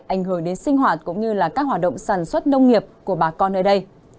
ảnh hưởng đến sinh hoạt cũng như là các hoạt động sản xuất nông nghiệp của bà con ở đây